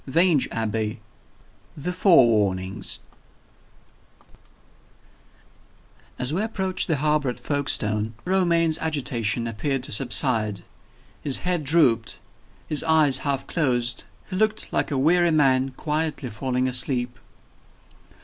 VANGE ABBEY. THE FOREWARNINGS VI. As we approached the harbor at Folkestone, Romayne's agitation appeared to subside. His head drooped; his eyes half closed he looked like a weary man quietly falling asleep.